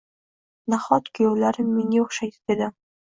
Nahot kuyovlarim menga oʻxshaydi dedim.